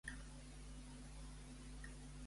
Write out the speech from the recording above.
Què més ha criticat Espot als comuns?